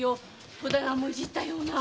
戸棚もいじったような。